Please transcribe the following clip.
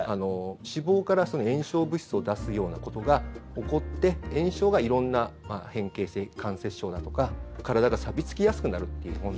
脂肪から炎症物質を出すようなことが起こって炎症が色んな変形性関節症だとか体がさび付きやすくなるっていう問題。